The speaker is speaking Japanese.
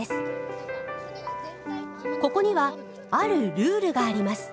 ここにはあるルールがあります。